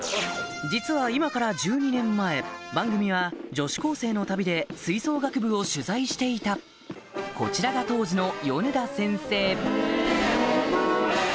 実は今から１２年前番組は女子高生の旅で吹奏楽部を取材していたこちらが当時の